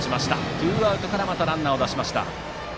ツーアウトからまたランナーを出しました。